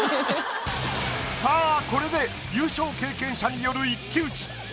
さぁこれで優勝経験者による一騎打ち！